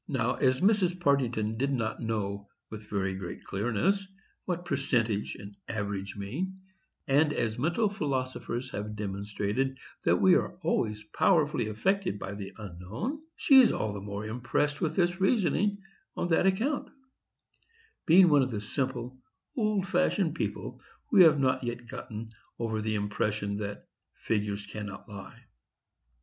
Now, as Mrs. Partington does not know with very great clearness what "percentage" and "average" mean, and as mental philosophers have demonstrated that we are always powerfully affected by the unknown, she is all the more impressed with this reasoning, on that account; being one of the simple, old fashioned people, who have not yet gotten over the impression that "figures cannot lie."